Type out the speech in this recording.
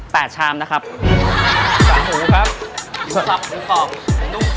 ชามนะครับสามหมูครับสับหมูกรอบหมูนุ่ม